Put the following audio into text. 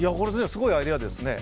すごいアイデアですね。